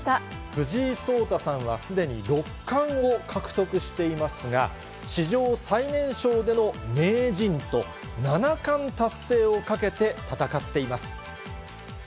藤井聡太さんはすでに六冠を獲得していますが、史上最年少での名人と七冠達成をかけて戦っています。